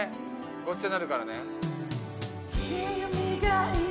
ごっちゃになるからね。